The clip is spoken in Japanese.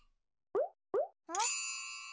うん？